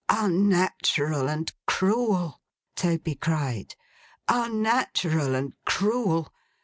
'Unnatural and cruel!' Toby cried. 'Unnatural and cruel!